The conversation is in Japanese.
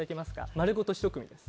丸ごとひと組です。